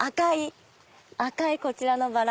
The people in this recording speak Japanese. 赤いこちらのバラ。